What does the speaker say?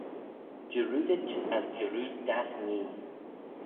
Jarroodit as jarrood dagh nhee.